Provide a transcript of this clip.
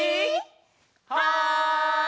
はい！